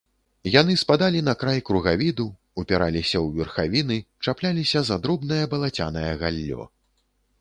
Яны спадалі на край кругавіду, упіраліся ў верхавіны, чапляліся за дробнае балацянае галлё.